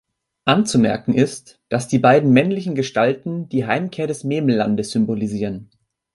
Anzumerken ist, dass die beiden männlichen Gestalten die Heimkehr des Memellandes symbolisieren.